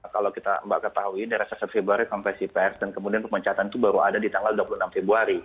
kalau kita mbak ketahui dari satu februari konversi pers dan kemudian pemecatan itu baru ada di tanggal dua puluh enam februari